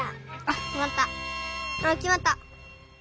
あっきまった！